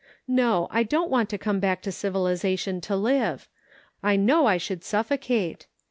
No, I don't want to come back to civilization to live ; I know I should suffocate.